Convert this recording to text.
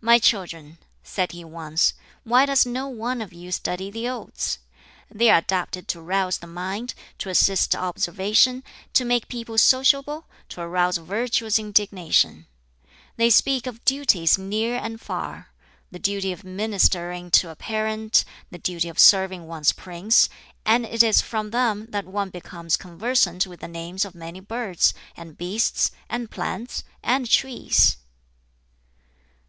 "My children," said he once, "why does no one of you study the Odes? They are adapted to rouse the mind, to assist observation, to make people sociable, to arouse virtuous indignation. They speak of duties near and far the duty of ministering to a parent, the duty of serving one's prince; and it is from them that one becomes conversant with the names of many birds, and beasts, and plants, and trees."